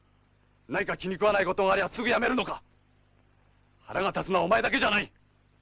何か気に食わないことがありゃあすぐ辞めるのか⁉腹が立つのはお前だけじゃない。